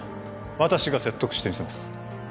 私が説得してみせます